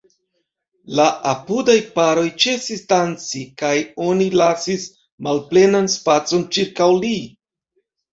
La apudaj paroj ĉesis danci, kaj oni lasis malplenan spacon ĉirkaŭ li.